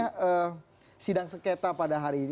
jadi apa yang kita catatkan di sidang seketa pada hari ini